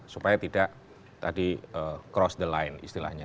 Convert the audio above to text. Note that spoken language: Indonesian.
supaya tidak tadi cross the line istilahnya